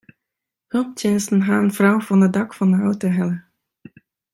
Helptsjinsten ha in frou fan it dak fan in auto helle.